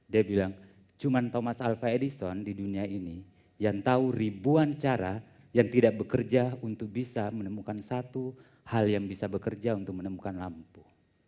dia bilang cuma thomas alva edison di dunia ini yang tahu ribuan cara yang tidak bekerja untuk bisa menemukan satu hal yang bisa bekerja untuk menemukan lampu